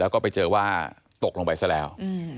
แล้วก็ไปเจอว่าตกลงไปซะแล้ว